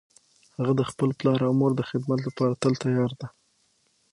هغه د خپل پلار او مور د خدمت لپاره تل تیار ده